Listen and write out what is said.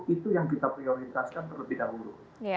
itu yang kita prioritaskan terlebih dahulu